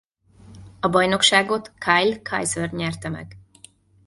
A bajnokságot Kyle Kaiser nyerte meg.